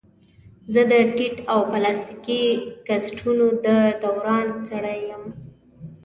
زه د ټیپ او پلاستیکي کسټونو د دوران سړی یم.